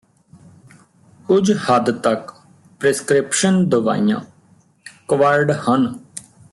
ਕੁੱਝ ਹੱਦ ਤੱਕ ਪਰਿਸਕਰਿਪਸ਼ਨ ਦਵਾਈਆਂ ਕਵਰਡ ਹਨ